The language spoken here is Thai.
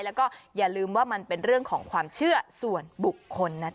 แล้วก็อย่าลืมว่ามันเป็นเรื่องของความเชื่อส่วนบุคคลนะจ